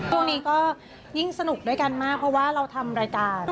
ตรงนี้ก็ยิ่งสนุกด้วยกันมากเพราะว่าเราทำรายการ